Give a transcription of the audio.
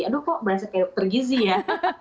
aduh kok berasa kayak tergizi ya